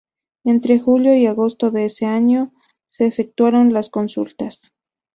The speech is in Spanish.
Entre julio y agosto de ese año se efectuaron las consultas.